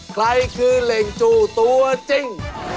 ใครคือเหล่งจูตัวจริง